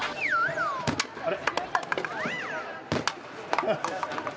あれ？